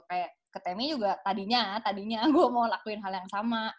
kayak ketemi juga tadinya tadinya gue mau lakuin hal yang sama